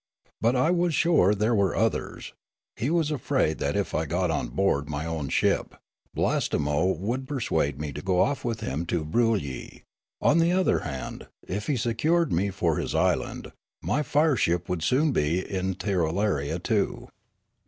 But I was sure that there were others ; he was afraid that if I got on board my own ship, Blastemo would persuade me to go off with him to Broolyi ; on the other hand, if he secured me for his island, my fire ship would soon be in Tirralaria too.